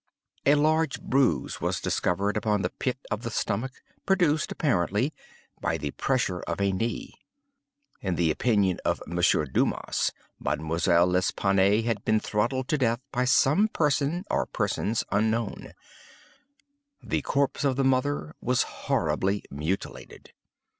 A large bruise was discovered upon the pit of the stomach, produced, apparently, by the pressure of a knee. In the opinion of M. Dumas, Mademoiselle L'Espanaye had been throttled to death by some person or persons unknown. The corpse of the mother was horribly mutilated.